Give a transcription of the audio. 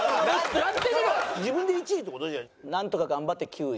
なんとか頑張って９位。